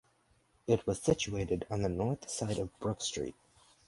It was situated on the north side of Brook Street.